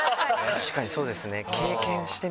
確かにそうですね。